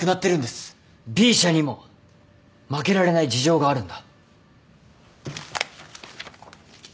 Ｂ社にも負けられない事情があるんだ。